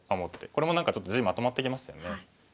これもちょっと地まとまってきましたよね。